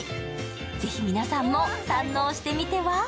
ぜひ皆さんも堪能してみては？